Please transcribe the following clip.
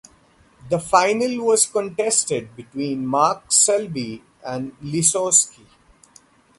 The final was contested between Mark Selby and Lisowski.